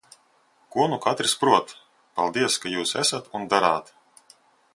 Ko nu katrs prot! Paldies, ka jūs esat un darāt!